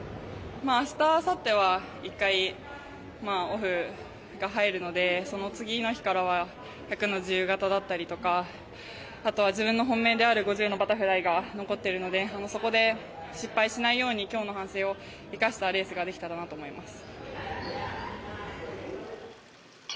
明日、あさっては１回オフが入るのでその次の日からは１００ｍの自由形だったりとかあとは自分の本命である５０ｍのバタフライが残っているのでそこで失敗しないように今日の反省を生かしたレースができたらなと思います。